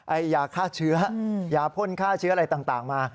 ยาฆ่าเชื้อยาพ่นฆ่าเชื้ออะไรต่างมา